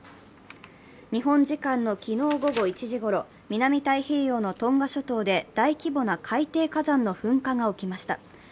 日本時間の昨日午後１時ごろ南太平洋のトンガ諸島で大規模な海底火山の噴火が起きました。